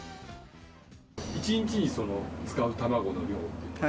１日に使う卵の量っていうのは？